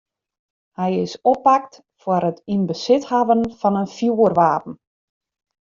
Hy is oppakt foar it yn besit hawwen fan in fjoerwapen.